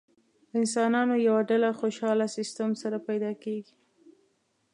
انسانانو یوه ډله خوشاله سیستم سره پیدا کېږي.